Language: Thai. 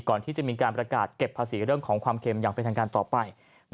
ก่อนที่จะมีการประกาศเก็บภาษีเรื่องของความเข็มอย่างเป็นทางการต่อไป